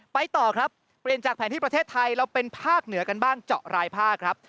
ไปต่อครับเปลี่ยนจากแผนที่ประเทศไทยเราเป็นภาคเหนือกันบ้างเจาะรายภาคครับ